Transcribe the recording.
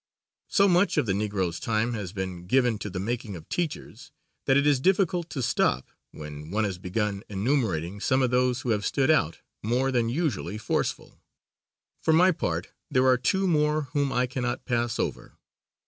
So much of the Negro's time has been given to the making of teachers that it is difficult to stop when one has begun enumerating some of those who have stood out more than usually forceful. For my part, there are two more whom I cannot pass over.